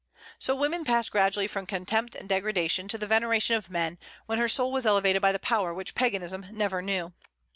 So woman passed gradually from contempt and degradation to the veneration of men, when her soul was elevated by the power which Paganism never knew.